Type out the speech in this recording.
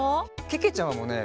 けけちゃまもね